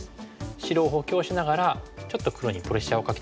白を補強しながらちょっと黒にプレッシャーをかけてますよね。